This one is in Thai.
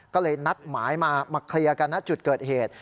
ก็เลยนัดหมายมาเคลียร์กันนะจุดเกิดเหตุ